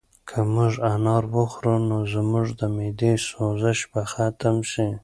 که موږ انار وخورو نو زموږ د معدې سوزش به ختم شي.